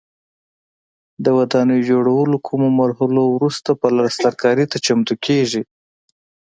د ودانۍ جوړولو کومو مرحلو وروسته پلسترکاري ته چمتو کېږي.